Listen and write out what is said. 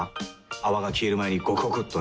泡が消える前にゴクゴクっとね。